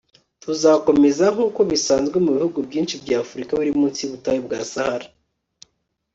tuzakomeza, nk'uko bisanzwe mu bihugu byinshi by'afurika biri munsi y'ubutayu bwa sahara